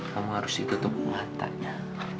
kamu harus ditutup matanya